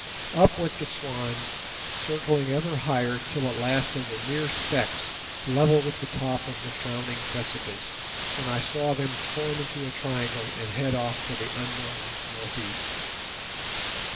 Up went the swans, circling ever higher till at last they were mere specks level with the top of the frowning precipice, when I saw them form into a triangle and head off for the unknown north east.